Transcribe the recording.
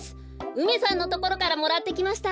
うめさんのところからもらってきました。